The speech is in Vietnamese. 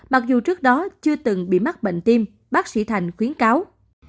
mặc dù trước đó chưa từng bị mắc bệnh tim bác sĩ thành khuyến cáo